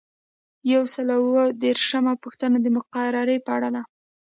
یو سل او اووه دیرشمه پوښتنه د مقررې په اړه ده.